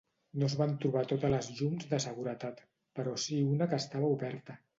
No es van trobar totes les llums de seguretat, però sí una que estava oberta.